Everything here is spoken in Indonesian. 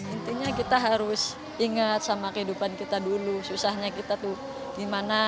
intinya kita harus ingat sama kehidupan kita dulu susahnya kita tuh gimana